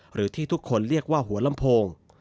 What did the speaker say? หรือที่ทุกคนเรียกว่าหัวลำโพง